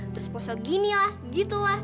terus posok gini lah gitu lah